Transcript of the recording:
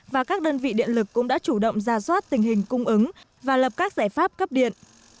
và các đơn vị điện lực cũng đã chủ động ra soát tình hình cung ứng và lập các giải pháp cấp điện